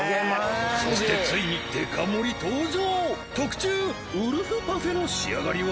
そしてついに特注ウルフパフェの仕上がりは？